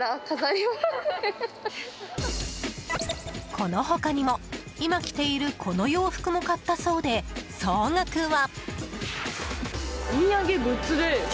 この他にも、今着ているこの洋服も買ったそうで総額は。